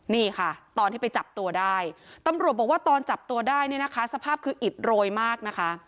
นี่ค่ะตอนที่ไปจับตัวได้ตำรวจบอกว่าตอนจับตัวได้เนี่ยนะคะสภาพคืออิดโรยมากนะคะ